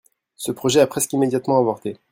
Ce projet a presque immédiatement avorté.